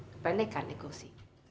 kebanyakan nih kursi